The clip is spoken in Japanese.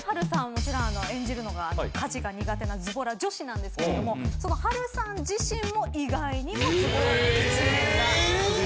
もちろん演じるのが家事が苦手なずぼら女子なんですけれどもその波瑠さん自身も意外にもずぼらな一面が。え？